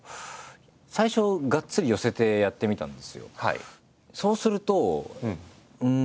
最初がっつり寄せてやってみたんですよ。